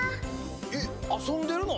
えっあそんでるの？